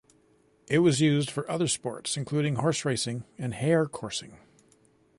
It was used for other sports including horse racing and hare coursing.